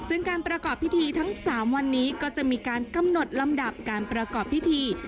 ซึ่งการประกอบพิธีทั้ง๓วันนี้ก็จะมีการกำหนดลำดับการประกอบพิธี